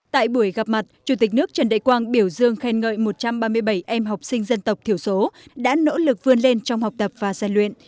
tại buổi gặp mặt chủ tịch nước trần đại quang biểu dương khen ngợi một trăm ba mươi bảy em học sinh dân tộc thiểu số đã nỗ lực vươn lên trong học tập và giàn luyện